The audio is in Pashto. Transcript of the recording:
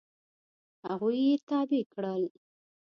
هغوی یې تابع کړل.